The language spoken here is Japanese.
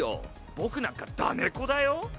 僕なんか「ダネコ」だよ。